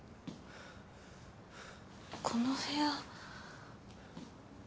この部屋。